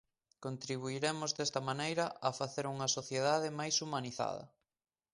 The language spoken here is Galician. Contribuiremos desta maneira a facer unha sociedade máis humanizada.